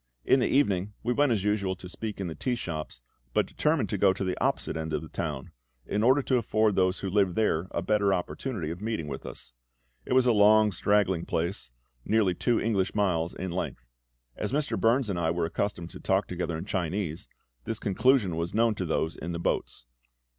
In the evening we went as usual to speak in the tea shops, but determined to go to the opposite end of the town, in order to afford those who lived there a better opportunity of meeting with us. It was a long straggling place, nearly two English miles in length. As Mr. Burns and I were accustomed to talk together in Chinese, this conclusion was known to those in the boats.